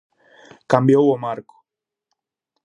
Cambiou o marco.